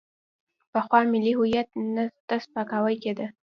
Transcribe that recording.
پخوا ملي هویت ته سپکاوی کېده.